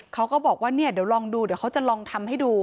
เขาก็บอกว่าเนี่ยเดี๋ยวลองดูเดี๋ยวเขาจะลองทำให้ดู